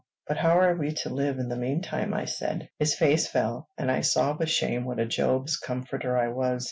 "But how are we to live in the mean time?" I said. His face fell, and I saw with shame what a Job's comforter I was.